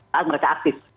saat mereka aktif